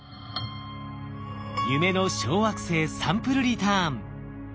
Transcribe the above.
夢の小惑星サンプルリターン。